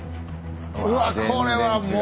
うわこれはもう。